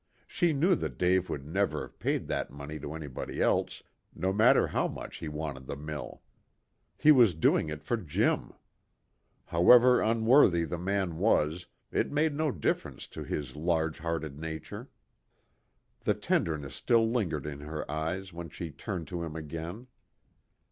She knew that Dave would never have paid that money to anybody else, no matter how much he wanted the mill. He was doing it for Jim. However unworthy the man was, it made no difference to his large hearted nature. The tenderness still lingered in her eyes when she turned to him again.